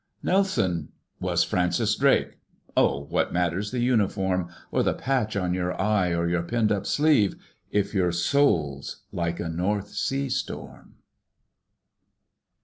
"Nelson was Francis Drake! O, what matters the uniform, Or the patch on your eye or your pinned up sleeve, If your soul's like a North Sea storm?"